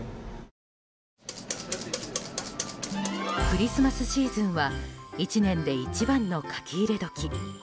クリスマスシーズンは１年で一番の書き入れ時。